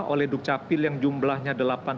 oleh duk capil yang jumlahnya